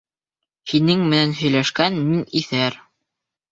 Һинең менән һөйләшкән мин иҫәр!